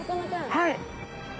はい。